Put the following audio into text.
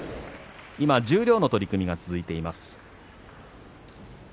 今、十両の取組が続いています。